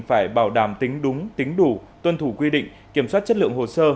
phải bảo đảm tính đúng tính đủ tuân thủ quy định kiểm soát chất lượng hồ sơ